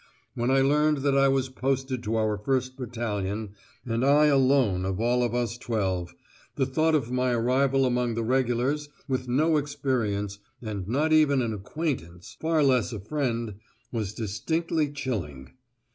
When I learned that I was posted to our first battalion, and I alone of all of us twelve, the thought of my arrival among the regulars, with no experience, and not even an acquaintance, far less a friend, was distinctly chilling!